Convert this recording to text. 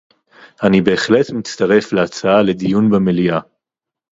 אני בהחלט מצטרף להצעה לדיון במליאה